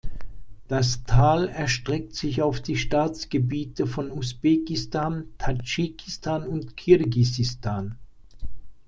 Das Tal erstreckt sich auf die Staatsgebiete von Usbekistan, Tadschikistan und Kirgisistan.